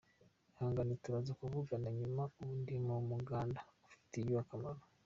Ihangane turaza kuvugana nyuma ubu ndi mu muganda ufitiye igihugu akamaro.